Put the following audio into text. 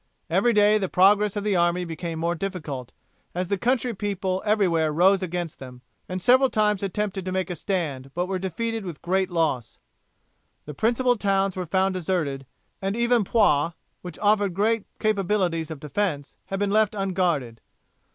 Every day the progress of the army became more difficult, as the country people everywhere rose against them, and several times attempted to make a stand but were defeated with great loss. The principal towns were found deserted, and even Poix, which offered great capabilities of defence, had been left unguarded.